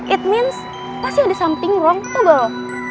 it means pasti ada something wrong tuh galau